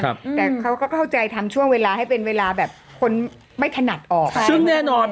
แต่เขาก็เข้าใจทำช่วงเวลาให้เป็นเวลาแบบคนไม่ถนัดออกค่ะซึ่งแน่นอน